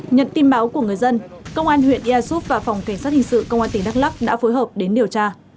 nhận tin báo của người dân công an huyện e soup và phòng cảnh sát hình sự công an tỉnh đắk lắk đã phối hợp đến điều tra